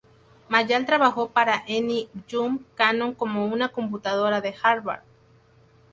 Mayall trabajó para Annie Jump Cannon como una computadora de Harvard.